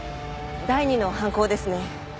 第２の犯行ですね。